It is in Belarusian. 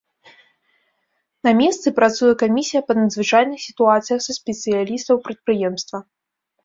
На месцы працуе камісія па надзвычайных сітуацыях са спецыялістаў прадпрыемства.